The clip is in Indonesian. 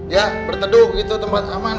ya berteduh itu tempat aman